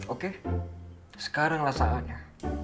oke sekarang lah saatnya